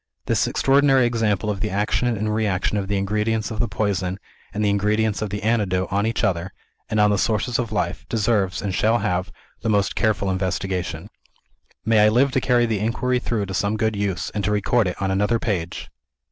This extraordinary example of the action and reaction of the ingredients of the poison and the ingredients of the antidote on each other, and on the sources of life, deserves, and shall have, the most careful investigation. May I live to carry the inquiry through to some good use, and to record it on another page!"